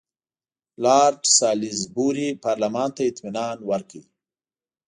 لارډ سالیزبوري پارلمان ته اطمینان ورکړ.